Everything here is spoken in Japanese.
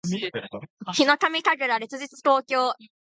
ヒノカミ神楽烈日紅鏡（ひのかみかぐられつじつこうきょう）